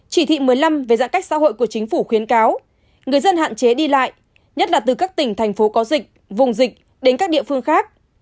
chỉ thị một mươi năm về giãn cách xã hội của chính phủ khuyến cáo người dân hạn chế đi lại nhất là từ các tỉnh thành phố có dịch vùng dịch đến các địa phương khác